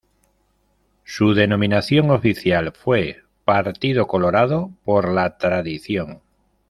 Su denominación oficial fue "Partido Colorado por la Tradición".